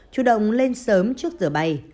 chủ động lên sớm trước giờ bay